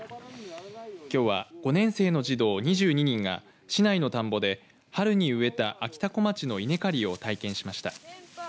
きょうは５年生の児童２２人が市内の田んぼで春に植えたあきたこまちの稲刈りを体験しました。